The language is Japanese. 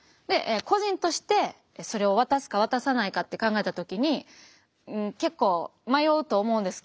個人としてそれを渡すか渡さないかって考えた時に結構迷うと思うんです。